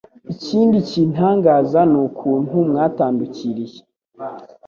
Ikindi kintangaza n'ukuntu mwatandukiriye